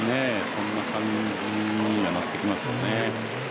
そんな感じにはなってきますよね。